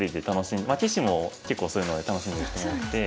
棋士も結構そういうので楽しんでる人も多くて。